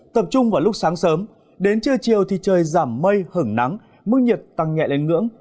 tập trung vào lúc sáng sớm đến trưa chiều thì trời giảm mây hứng nắng mức nhiệt tăng nhẹ lên ngưỡng